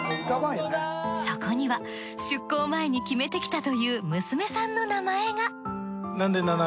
そこには出航前に決めてきたという娘さんの名前が。